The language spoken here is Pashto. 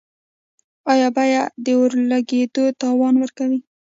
آیا بیمه د اور لګیدو تاوان ورکوي؟